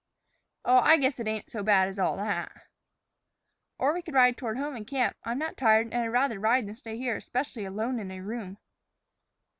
"Oh, I guess it ain't so bad as all that." "Or we could ride toward home and camp. I'm not tired, and I'd rather ride than stay here, especially alone in a room."